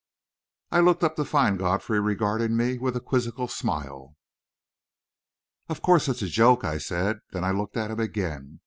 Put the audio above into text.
I looked up to find Godfrey regarding me with a quizzical smile. "Of course it's a joke," I said. Then I looked at him again.